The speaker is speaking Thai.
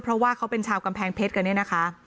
เพราะว่าเขาเป็นชาวกำแพงเพชรกันเนี่ยนะคะ